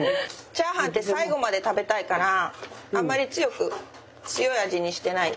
チャーハンって最後まで食べたいからあまり強い味にしてない。